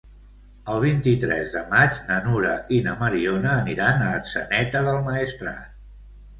El vint-i-tres de maig na Nura i na Mariona aniran a Atzeneta del Maestrat.